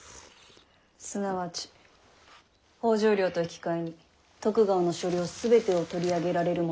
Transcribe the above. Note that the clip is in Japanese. すなわち北条領と引き換えに徳川の所領全てを取り上げられるものと存じまする。